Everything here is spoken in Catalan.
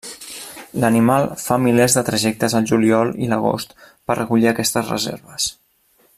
L'animal fa milers de trajectes al juliol i l'agost per recollir aquestes reserves.